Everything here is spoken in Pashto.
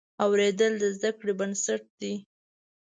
اورېدل د زده کړې بنسټ دی.